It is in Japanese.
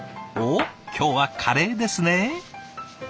今日はカレーですね。